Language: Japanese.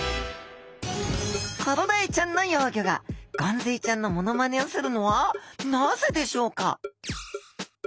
コロダイちゃんの幼魚がゴンズイちゃんのモノマネをするのはなぜでしょうか？